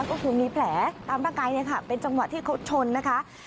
ก็คือมีแผลตามประกายเป็นจังหวะที่เขาชนนะคะ